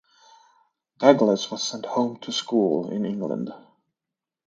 Douglas was sent home to school in England.